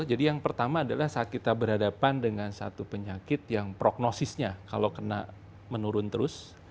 jadi yang pertama adalah saat kita berhadapan dengan satu penyakit yang prognosisnya kalau kena menurun terus